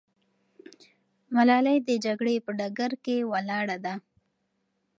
ملالۍ د جګړې په ډګر کې ولاړه ده.